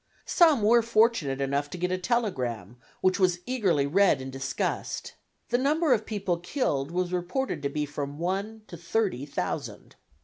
Some were fortunate enough to get a telegram, which was eagerly read and discussed. The number of people killed was reported to be from one to thirty thousand.